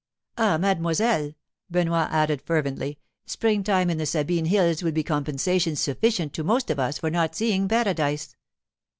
'Ah, mademoiselle,' Benoit added fervently, 'spring time in the Sabine hills will be compensation sufficient to most of us for not seeing paradise.